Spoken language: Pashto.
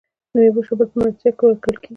د میوو شربت په میلمستیا کې ورکول کیږي.